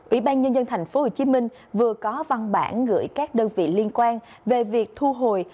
ủy ban nhân dân tp hcm vừa có văn bản gửi các đơn vị liên quan về việc thu hồi